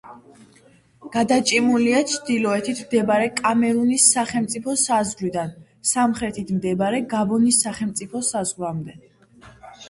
გადაჭიმულია ჩრდილოეთით მდებარე კამერუნის სახელმწიფო საზღვრიდან, სამხრეთით მდებარე გაბონის სახელმწიფო საზღვრამდე.